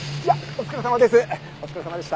お疲れさまでした。